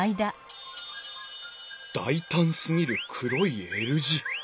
大胆すぎる黒いＬ字。